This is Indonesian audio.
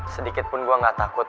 sedikit pun gue gak takut